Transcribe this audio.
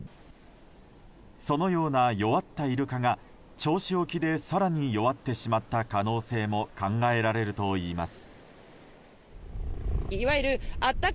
そのような弱ったイルカが銚子沖で更に弱ってしまった可能性も考えられるといいます。